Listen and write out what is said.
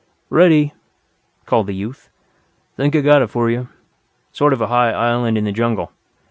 "Ready," called the youth. "Think I've got it for you. Sort of a high island in the jungle.